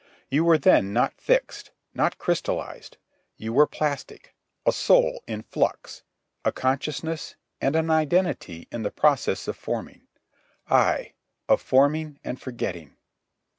You were then not fixed, not crystallized. You were plastic, a soul in flux, a consciousness and an identity in the process of forming—ay, of forming and forgetting.